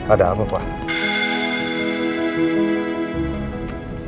ada apa pak